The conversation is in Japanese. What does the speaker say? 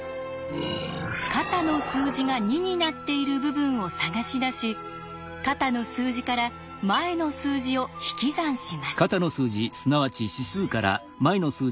肩の数字が２になっている部分を探し出し肩の数字から前の数字を引き算します。